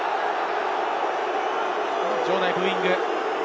場内ブーイングです。